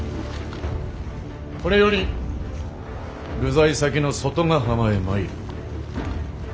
これより流罪先の外ヶ浜へ参る。